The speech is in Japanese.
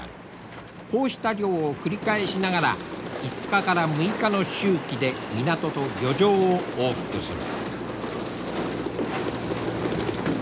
こうした漁を繰り返しながら５日から６日の周期で港と漁場を往復する。